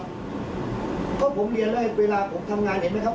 เพราะผมเรียนว่าเวลาผมทำงานเห็นไหมครับ